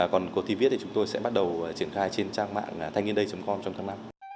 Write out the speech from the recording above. còn cuộc thi viết thì chúng tôi sẽ bắt đầu triển khai trên trang mạng thanhnienday com trong tháng năm